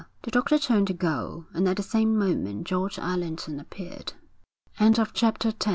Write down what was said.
The doctor turned to go, and at the same moment George Allerton appeared. XI George Allerton